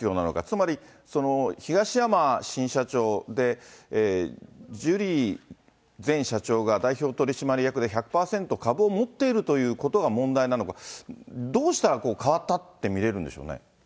つまり、東山新社長で、ジュリー前社長が代表取締役で１００％株を持っているということが問題なのか、どうしたら変わったって見れるんでしょうね。